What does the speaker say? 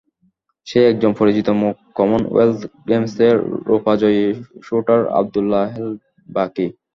সেই একজন পরিচিত মুখ কমনওয়েলথ গেমসে রুপাজয়ী শুটার আবদুল্লাহ হেল বাকি।